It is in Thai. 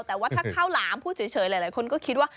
แต่ว่าถ้าข้าวหลามพูดเฉยหลายคนก็คิดว่า